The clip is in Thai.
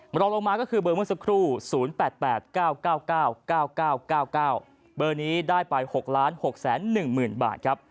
รองลงมาก็คือเบอร์เมื่อสักครู่๐๘๘๙๙๙๙๙๙๙๙๙๙เบอร์นี้ได้ไป๖๖๑๐๐๐บาทครับ